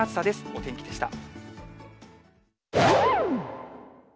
お天気でした。